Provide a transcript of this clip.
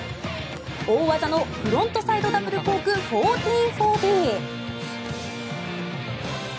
大技の、フロントサイドダブルコーク１４４０。